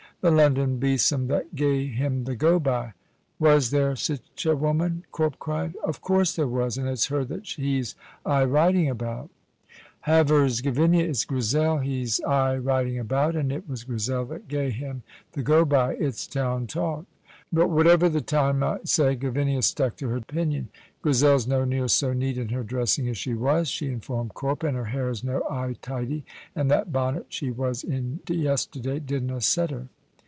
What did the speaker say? "The London besom that gae him the go by." "Was there sic a woman!" Corp cried. "Of course there was, and it's her that he's aye writing about." "Havers, Gavinia! It's Grizel he's aye writing about, and it was Grizel that gae him the go by. It's town talk." But whatever the town might say, Gavinia stuck to her opinion. "Grizel's no near so neat in her dressing as she was," she informed Corp, "and her hair is no aye tidy, and that bonnet she was in yesterday didna set her."